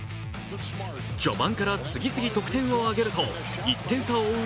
序盤から次々、得点を挙げると１点差を追う